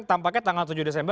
tampaknya tanggal tujuh desember